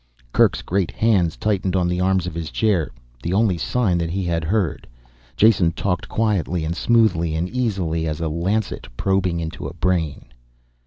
Kerk's great hands tightened on the arms of his chair, the only sign that he had heard. Jason talked quietly, as smoothly and easily as a lancet probing into a brain.